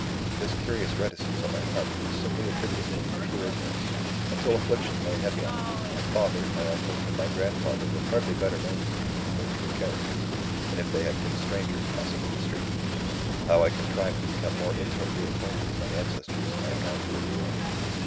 "This curious reticence on my part, is simply attributable to pure ignorance. Until affliction lay heavy on me, my father, my uncle, and my grandfather were hardly better known to me, in their true characters, than if they had been strangers passing in the street. How I contrived to become more intimately acquainted with my ancestors, I am now to reveal.